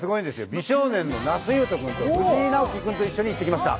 美少年の那須雄登君と藤井直樹と一緒に行ってきました。